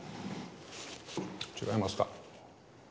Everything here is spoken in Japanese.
違いますか？